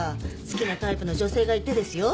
好きなタイプの女性がいてですよ？